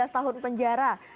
dua belas tahun penjara